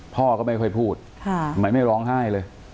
พ่อก็ไม่ค่อยพูดไหมไม่ร้องไห้เลย